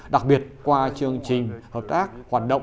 đặc biệt qua chương trình hợp tác hoạt động